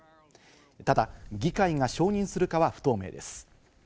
ただ議会が承認するかは不透明です。